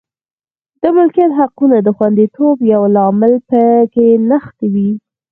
د ملکیت حقونو د خوندیتوب یو لامل په کې نغښتې وې.